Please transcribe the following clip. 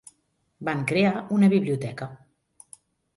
Van crear una biblioteca.